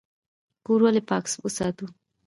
کور ولې پاک وساتو؟